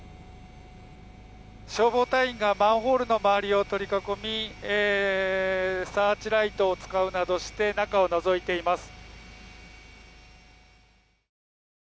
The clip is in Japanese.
消防隊員がマンホールの周りを取り囲みサーチライトを使うなどして中をのぞいています。